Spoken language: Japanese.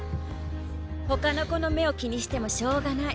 ほかの子の目を気にしてもしょうがない。